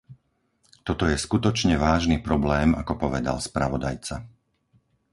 Toto je skutočne vážny problém ako povedal spravodajca.